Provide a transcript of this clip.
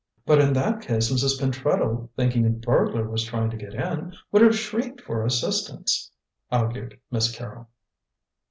"But in that case Mrs. Pentreddle, thinking a burglar was trying to get in, would have shrieked for assistance," argued Miss Carrol.